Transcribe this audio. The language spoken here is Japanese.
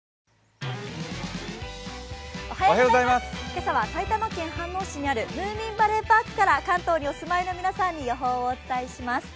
今朝は埼玉県飯能市にあるムーミンバレーパークから関東にお住まいの皆さんに予報をお伝えします。